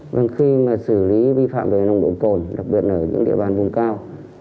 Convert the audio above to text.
vâng khi mà xử lý vi phạm về nồng độ cồn đặc biệt ở những địa bàn vùng cao